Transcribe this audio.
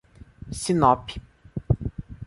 Sinop